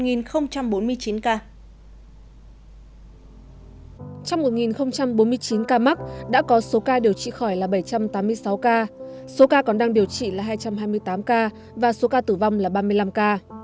trong một bốn mươi chín ca mắc đã có số ca điều trị khỏi là bảy trăm tám mươi sáu ca số ca còn đang điều trị là hai trăm hai mươi tám ca và số ca tử vong là ba mươi năm ca